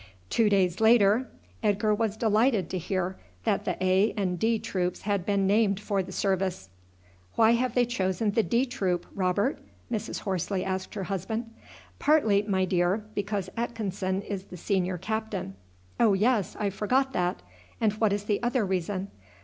Two days later Edgar was delighted to hear that the A and D troops had been named for the service. "Why have they chosen the D troop, Robert?" Mrs. Horsley asked her husband. "Partly, my dear, because Atkinson is the senior captain." "Oh, yes! I forgot that. And what is the other reason?"